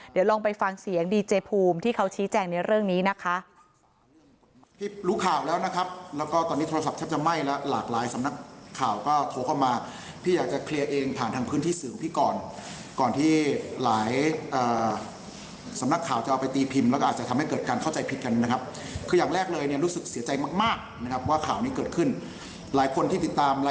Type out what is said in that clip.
เดี๋ยวลองไปฟังเสียงดีเจภูมิที่เขาชี้แจงในเรื่องนี้นะคะ